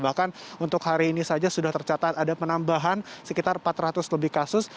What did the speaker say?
bahkan untuk hari ini saja sudah tercatat ada penambahan sekitar empat ratus lebih kasus